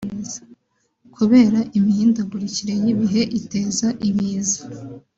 kubera imihindagurikire y’ibihe iteza ibiza